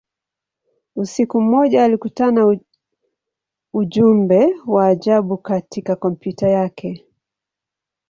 Usiku mmoja, alikutana ujumbe wa ajabu katika kompyuta yake.